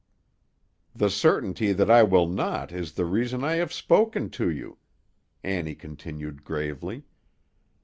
"The certainty that I will not is the reason I have spoken to you," Annie continued gravely.